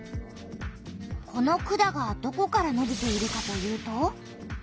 この管がどこからのびているかというと。